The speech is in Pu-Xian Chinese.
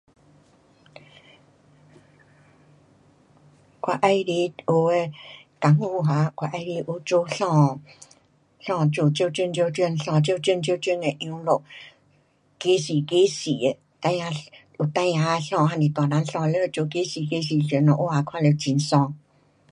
我喜欢学的功夫哈，我喜欢学做衣，衣做各种各种衣，各种各种的样路，街市，街市的，孩儿有孩儿的衣，还是大人衣全部做街市街市的，穿了哇看了很爽。